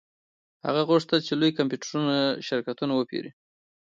هغه غوښتل چې لوی کمپیوټري شرکتونه وپیري